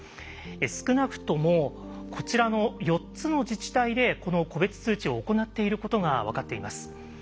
少なくともこちらの４つの自治体でこの個別通知を行っていることが分かっています。